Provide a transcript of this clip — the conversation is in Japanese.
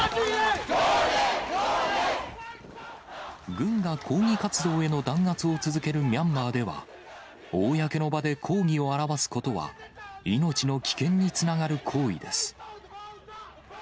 軍が抗議活動への弾圧を続けるミャンマーでは、公の場で抗議を表すことは、命の危険につながる行為です。